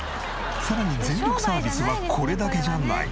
さらに全力サービスはこれだけじゃない。